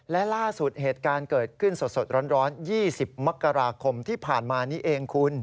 และล่าสุดเหตุการณ์เกิดขึ้นสดร้อน๒๐มกราคมที่ผ่านมานี้เองคุณ